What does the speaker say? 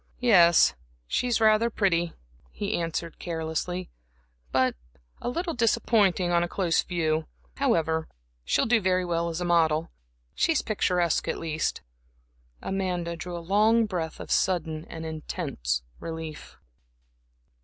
"Yes, she's rather pretty," he answered, carelessly "but a little disappointing on a close view. However, she'll do very well as a model she's picturesque, at least." Amanda drew a long breath of sudden and intense relief.